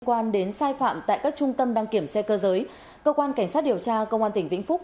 quan đến sai phạm tại các trung tâm đăng kiểm xe cơ giới cơ quan cảnh sát điều tra công an tỉnh vĩnh phúc